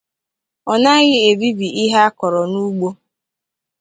Ọ naghị ebíbì ihe a kọrọ n'úgbō